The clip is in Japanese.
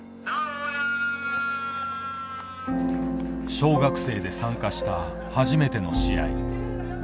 小学生で参加した初めての試合。